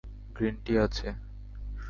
Green tea আছে।